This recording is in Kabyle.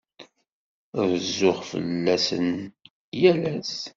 Rezzuɣ fell-asen yal ass.